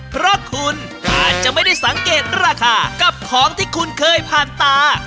เพราะคุณอาจจะไม่ได้สังเกตราคากับของที่คุณเคยผ่านตา